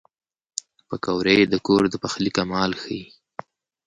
پکورې د کور د پخلي کمال ښيي